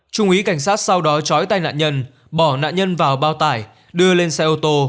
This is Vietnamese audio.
trung úy cảnh sát sau đó trói tay nạn nhân bỏ nạn nhân vào bao tải đưa lên xe ô tô